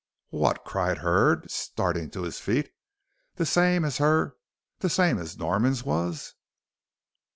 "What?" cried Hurd, starting to his feet. "The same as her the same as Norman's was?"